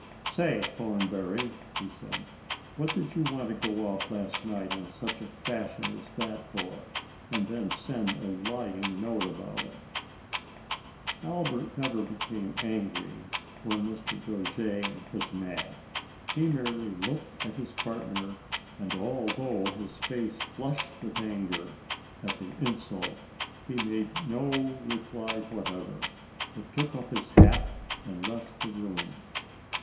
*" Say, Thornbury," said he, " what did you want to go off last night in such a fashion as that for, and then send a lying note about it ?" Albert never became angry, when Mr. Dojere was mad. He merely looked at his partner, and although his face flushed with anger at the in sult, he made no reply whatever, but took up his hat and left the room.